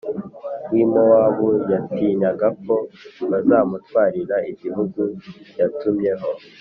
W i mowabu yatinyaga ko bazamutwarira igihugu yatumyeho